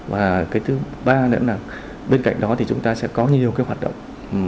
và cái thứ ba nữa là bên cạnh đó thì chúng ta sẽ có nhiều cái hoạt động